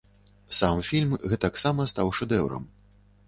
Сам фільм гэтаксама стаў шэдэўрам.